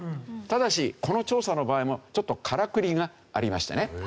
ただしこの調査の場合もちょっとからくりがありましてね。